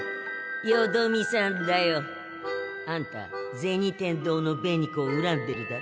よどみさんだよ。あんた銭天堂の紅子をうらんでるだろ？